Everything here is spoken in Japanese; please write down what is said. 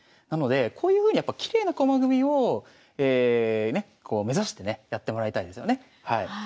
なのでこういうふうにやっぱきれいな駒組みを目指してねやってもらいたいですよね。